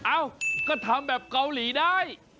เอ้าก็ทำแบบเกาหลีได้